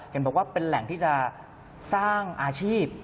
เห็นบอกว่าเป็นแหล่งที่จะสร้างอาชีพ